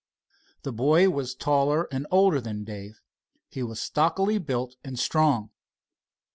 The boy was taller and older than Dave. He was stockily built, and strong.